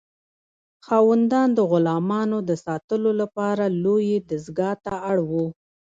خاوندان د غلامانو د ساتلو لپاره لویې دستگاه ته اړ وو.